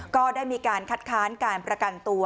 ก็ได้มีการคัดค้านการประกันตัว